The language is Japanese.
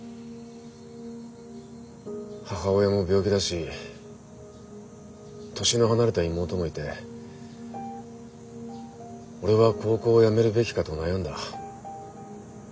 母親も病気だし年の離れた妹もいて俺は高校をやめるべきかと悩んだ。